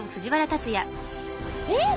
えっ！